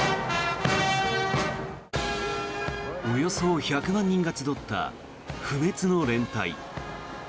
およそ１００万人が集った不滅の連隊。